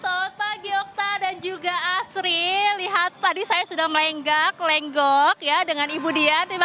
selamat pagi okta dan juga asri lihat tadi saya sudah melenggak lenggok ya dengan ibu dian